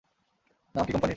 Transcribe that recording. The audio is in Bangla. নাম কী কোম্পানির?